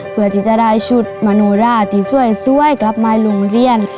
เพื่อที่จะได้ชุดมโนราที่สวยกลับมาโรงเรียน